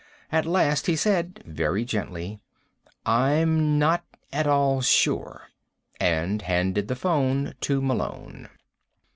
At last he said, very gently: "I'm not at all sure," and handed the phone to Malone.